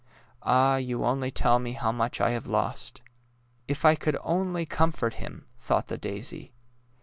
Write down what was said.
Ah, you only tell me how much I have lost! "If I could only comfort him! '' thought the daisy.